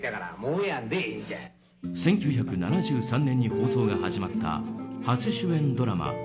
１９７３年に放送が始まった初主演ドラマ